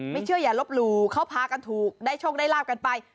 ไม่เชื่ออย่าลบหลู่เขาพากันถูกได้โชคได้ลาบกันไป